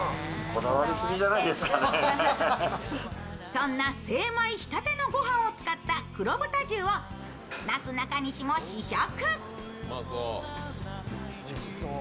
そんな精米したてのご飯を使った黒豚重をなすなかにしも試食。